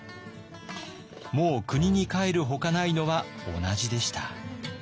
もう国に帰るほかないのは同じでした。